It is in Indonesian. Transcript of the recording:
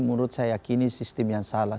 menurut saya kini sistem yang salah